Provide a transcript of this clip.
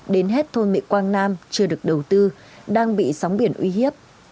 đến hết thôn mỹ quang nam chưa được đầu tư đang bị sóng biển uy hiếp